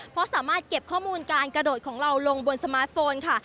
เพราะสามารถเก็บข้อมูลการกระโดดของเราลงบนสมาร์ทโฟนค่ะ